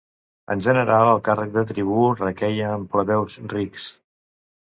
En general el càrrec de tribú requeia en plebeus rics.